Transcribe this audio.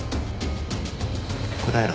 答えろ！